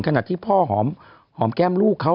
ขณะที่พ่อหอมแก้มลูกเขา